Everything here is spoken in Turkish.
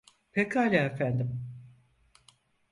Pekâlâ efendim.